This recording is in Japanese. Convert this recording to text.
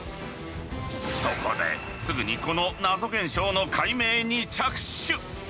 そこですぐにこの謎現象の解明に着手。